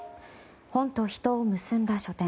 本と人を結んだ書店。